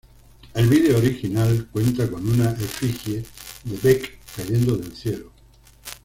El video original cuenta con una efigie de Beck cayendo del cielo.